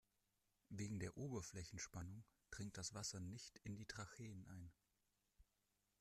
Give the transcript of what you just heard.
Wegen der Oberflächenspannung dringt das Wasser nicht in die Tracheen ein.